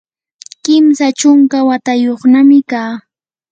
kimsa chunka watayuqnami kaa.